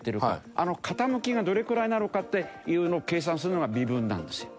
あの傾きがどれくらいなのかっていうのを計算するのが微分なんですよ。